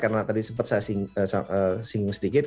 karena tadi sempat saya singgung sedikit